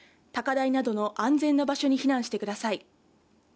高台などの安全な場所に避難してください。